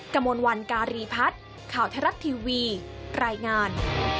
กระมวลวันการีพัฒน์ข่าวไทยรัฐทีวีรายงาน